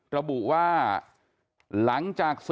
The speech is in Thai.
ระบุว่าหลังจาก